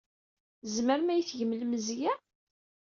Tzemrem ad iyi-tgem lemzeyya?